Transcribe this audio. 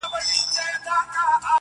وخت یاري ور سره وکړه لوی مالدار سو-